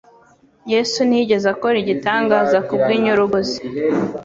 Yesu ntiyigeze akora igitangaza kubw'inyurugu ze.